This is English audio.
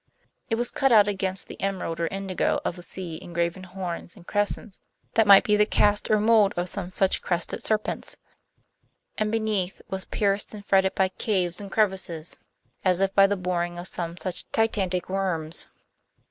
It was cut out against the emerald or indigo of the sea in graven horns and crescents that might be the cast or mold of some such crested serpents; and, beneath, was pierced and fretted by caves and crevices, as if by the boring of some such titanic worms.